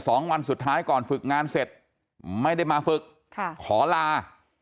วันสุดท้ายก่อนฝึกงานเสร็จไม่ได้มาฝึกค่ะขอลา